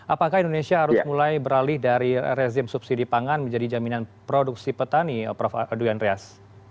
apakah indonesia harus mulai beralih dari rezim subsidi pangan menjadi jaminan produksi petani prof andreas